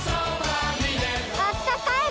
あったかい